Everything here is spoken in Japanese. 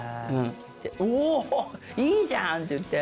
「おおー！いいじゃん！」って言って。